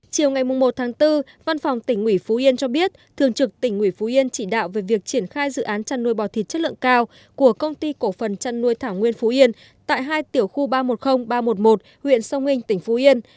chiều ngày một tháng bốn văn phòng tỉnh ủy phú yên cho biết thường trực tỉnh ủy phú yên chỉ đạo về việc triển khai dự án chăn nuôi bò thịt chất lượng cao của công ty cổ phần chăn nuôi thảo nguyên phú yên tại hai tiểu khu ba trăm một mươi ba trăm một mươi một huyện sông hình tỉnh phú yên